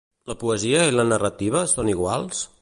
La poesia i la narrativa són iguals?